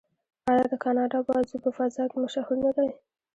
آیا د کاناډا بازو په فضا کې مشهور نه دی؟